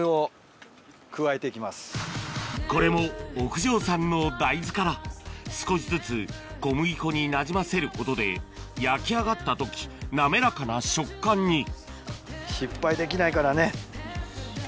これも屋上産の大豆から少しずつ小麦粉になじませることで焼き上がった時滑らかな食感によいしょ。